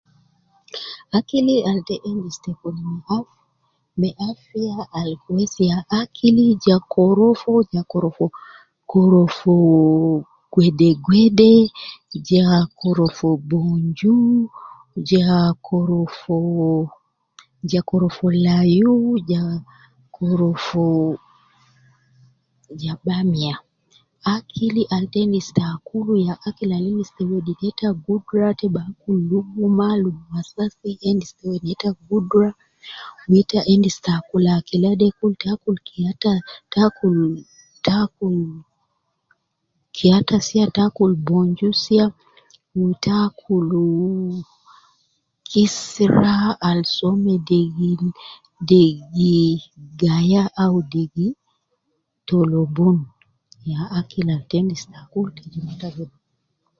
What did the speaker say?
Akili al te endis te kun mo me afiya ya akili ja korofo, ja korofo, korofoo gwede gwede, ja korofo bonju, ja korofoo, ja korofo layu, ja korofoo ja bamia, akili al te endis te akulu ya akili al gi jib neta gudra te bi akul luguma, luguma Sasi endi te wedi neta gudra, wu ita endis te akul akila de kul te akul kiyata, te akul kiyata siya, te akul bonjo siya wu ta akul mh kisira al soo me degi, degi Gaya au degi tolobun, ya akil al te endis te akul ke jib neta gudra.